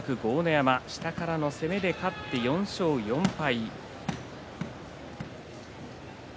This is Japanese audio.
山下からの攻めで勝って４勝４敗。